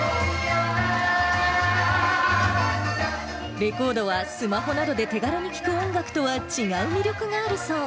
レコードはスマホなどで手軽に聴く音楽とは違う魅力があるそう。